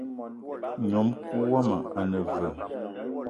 Ngnom-kou woma ane veu?